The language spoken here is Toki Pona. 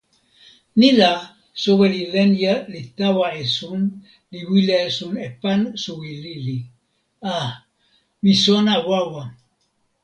ni la, soweli Lenja li tawa esun, li wile esun e pan suwi lili. ... a, mi sona wawa!